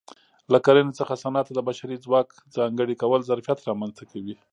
له کرنې څخه صنعت ته د بشري ځواک ځانګړي کول ظرفیت رامنځته کوي